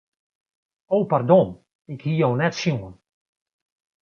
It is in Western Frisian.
O pardon, ik hie jo net sjoen.